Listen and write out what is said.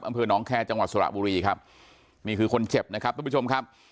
อำเภอน้องแคร์จังหวัดสระบุรีครับนี่คือคนเจ็บนะครับทุกผู้ชมครับ